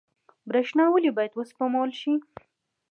برښنا ولې باید وسپمول شي؟